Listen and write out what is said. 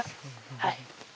はい。